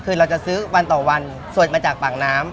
คือเราจะซื้อวันต่อวันสดมาจากปากน้ำ